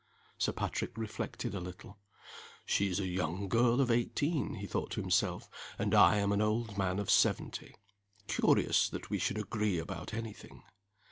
Sir Patrick reflected a little. "She is a young girl of eighteen," he thought to himself. "And I am an old man of seventy. Curious, that we should agree about any thing.